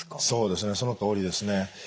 そうですねそのとおりですね。